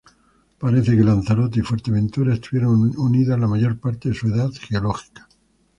Parece que Lanzarote y Fuerteventura estuvieron unidas la mayor parte de su edad geológica.